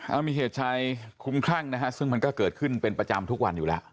เอามีเหตุชายคุ้มคลั่งนะฮะซึ่งมันก็เกิดขึ้นเป็นประจำทุกวันอยู่แล้ว